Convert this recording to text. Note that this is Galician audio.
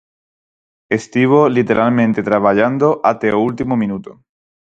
Estivo literalmente traballando até o último minuto.